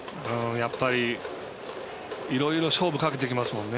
やっぱりいろいろ勝負かけてきますよね。